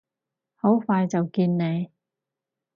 好快就見你！